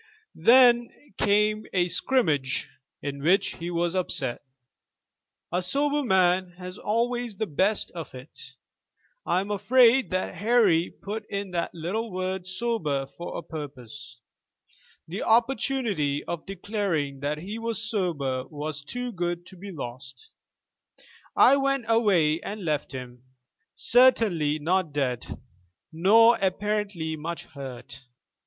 Then came a scrimmage, in which he was upset. A sober man has always the best of it." I am afraid that Harry put in that little word sober for a purpose. The opportunity of declaring that he was sober was too good too be lost. "I went away and left him, certainly not dead, nor apparently much hurt.